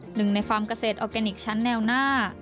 หนึ่งในฟาร์มเกษตรออร์แกนิคชั้นแนวหน้า